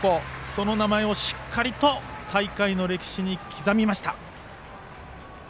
その名前をしっかりと大会の歴史に刻みました。